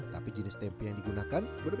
tapi jenis tempe yang digunakan berbeda